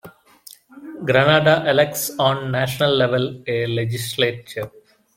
Grenada elects on national level a legislature.